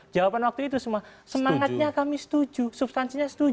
jawaban waktu itu semua semangatnya kami setuju substansinya setuju